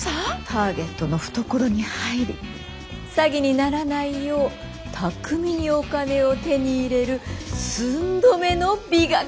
ターゲットの懐に入り詐欺にならないよう巧みにお金を手に入れる寸止めの美学。